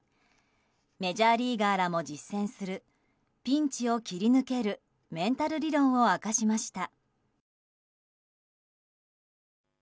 メジャーリーガーらも実践するピンチを切り抜けるメンタル理論を明かしました。